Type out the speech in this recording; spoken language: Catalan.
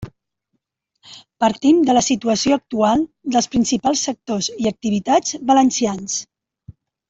Partim de la situació actual dels principals sectors i activitats valencians.